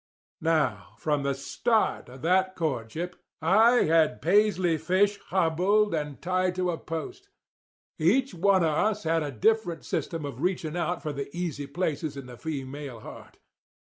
"Now, from the start of that courtship I had Paisley Fish hobbled and tied to a post. Each one of us had a different system of reaching out for the easy places in the female heart.